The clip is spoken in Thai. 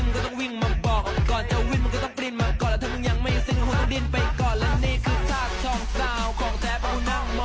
กูไม่มีวันลืมว่าพูดมาจากไหนและกู